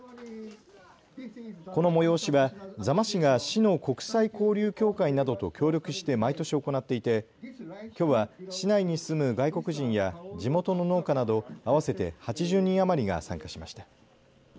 この催しは座間市が市の国際交流協会などと協力して毎年、行っていてきょうは市内に住む外国人や地元の農家など合わせて８０人余りが参加しました。